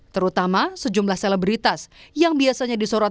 ketua umum psi kaisang pangarep